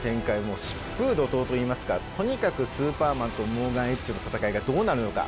もう疾風怒とうといいますかとにかくスーパーマンとモーガン・エッジの戦いがどうなるのか？